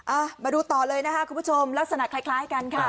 อ่ะมาดูต่อเลยนะคะคุณผู้ชมลักษณะคล้ายคล้ายกันค่ะ